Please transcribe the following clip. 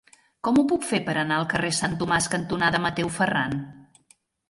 Com ho puc fer per anar al carrer Sant Tomàs cantonada Mateu Ferran?